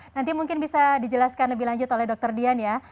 nanti mungkin bisa dijelaskan lebih lanjut oleh dokter dian ya